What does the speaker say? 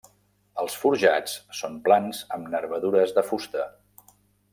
Els forjats són plans amb nervadures de fusta.